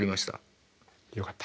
よかった。